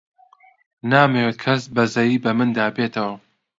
نامەوێت کەس بەزەیی بە مندا بێتەوە.